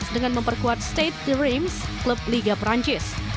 dengan memperkuat state dreams klub liga perancis